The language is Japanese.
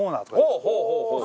ほうほうほうほう！